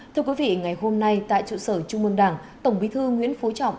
thưa quý vị ngày hôm nay tại trụ sở trung mương đảng tổng bí thư nguyễn phú trọng